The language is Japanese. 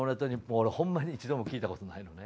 俺ホンマに一度も聴いたことないのね。